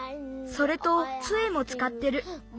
それとつえもつかってる。